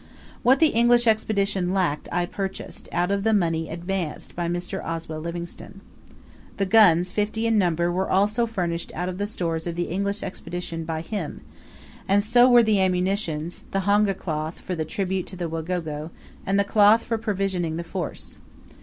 What the English Expedition lacked I purchased out of the money advanced by Mr. Oswell Livingstone. The guns, fifty in number, were also furnished out of the stores of the English Expedition by him; and so were the ammunition, the honga cloth, for the tribute to the Wagogo, and the cloth for provisioning the force.